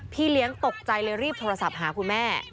เลี้ยงตกใจเลยรีบโทรศัพท์หาคุณแม่